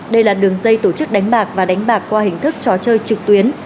đây là đường dây tổ chức đánh bạc và đánh bạc qua hình thức trò chơi trực tuyến